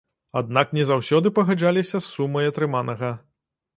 Аднак не заўсёды пагаджаліся з сумай атрыманага.